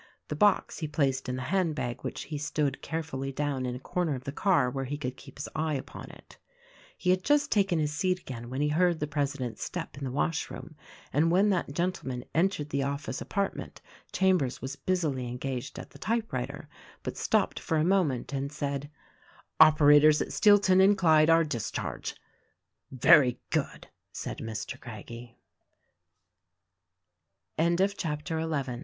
The box he placed in the hand bag which he stood care fully down in a corner of the car where he could keep his eye upon it. He had just taken his seat again when he heard the president's step in the wash room; and when that gentle man entered the office apartment Chambers was busily engaged at the typewriter, but stopped for a moment and said, "Operators at Steelton and Clyde are discharged." "Very good!" said Mr. Craggie. CHAPTER XII.